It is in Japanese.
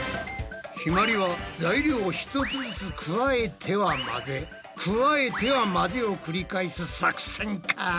ひまりは材料を１つずつ加えては混ぜ加えては混ぜを繰り返す作戦か？